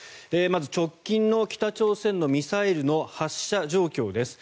まず、直近の北朝鮮のミサイルの発射状況です。